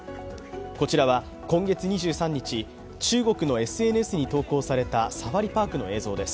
こちらは今月２３日、中国のＳＮＳに投稿されたサファリパークの映像です。